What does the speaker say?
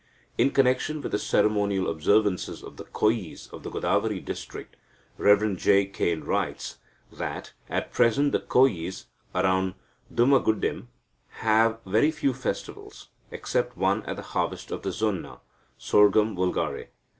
In connection with the ceremonial observances of the Koyis of the Godavari district, the Rev. J. Cain writes that "at present the Koyis around Dummagudem have very few festivals, except one at the harvest of the zonna (Sorghum vulgare).